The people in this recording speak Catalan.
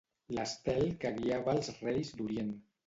L'estel que guiava els Reis d'Orient.